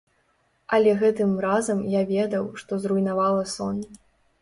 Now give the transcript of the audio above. Але гэтым разам я ведаў, што зруйнавала сон.